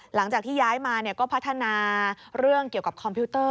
หลังจากที่ย้ายมาก็พัฒนาเรื่องเกี่ยวกับคอมพิวเตอร์